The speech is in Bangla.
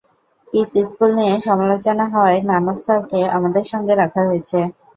পিস স্কুল নিয়ে সমালোচনা হওয়ায় নানক স্যারকে আমাদের সঙ্গে রাখা হয়েছে।